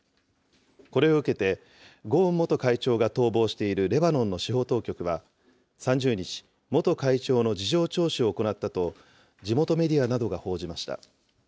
これを受けて、ゴーン元会長が逃亡しているレバノンの司法当局は３０日、元会長の事情聴取を行ったと、地元メディアなどが報じました。